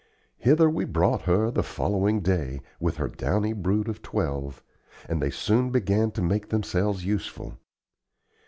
Hither we brought her the following day, with her downy brood of twelve, and they soon began to make themselves useful.